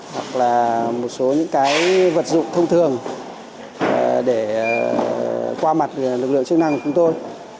hoặc là một số những cái vật dụng thông thường để qua mặt lực lượng chức năng của chúng tôi